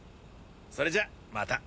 それじゃあまた。